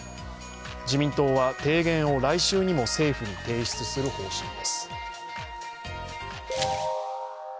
自民党は、提言を来週にも政府に提出する方針です。